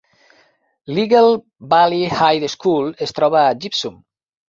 L'Eagle Valley High School es troba a Gypsum.